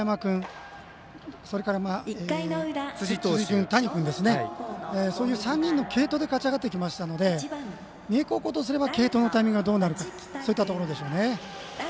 対して三重高校、上山君辻投手、谷君ですね３人の継投で勝ち上がってきたので三重高校とすれば継投のタイミングがどうなるかといったところでしょうね。